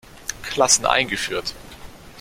Klassen eingeführt.